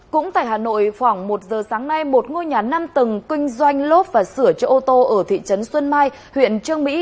cũng tại hà nội khoảng một giờ sáng nay một ngôi nhà năm tầng kinh doanh lốp và sửa chữa ô tô ở thị trấn xuân mai huyện trương mỹ